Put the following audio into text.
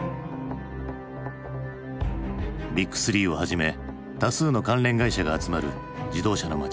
ビッグスリーをはじめ多数の関連会社が集まる自動車の町